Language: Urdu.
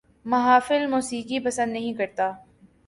محافل موسیقی پسند نہیں کرتا